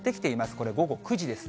これ、午後９時です。